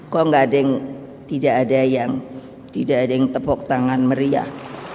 kok tidak ada yang tidak ada yang tidak ada yang tepuk tangan meriah